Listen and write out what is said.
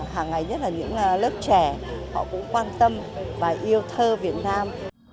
hàng ngày nhất là những lớp trẻ họ cũng quan tâm và yêu thơ việt nam